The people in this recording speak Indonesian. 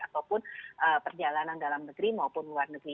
ataupun perjalanan dalam negeri maupun luar negeri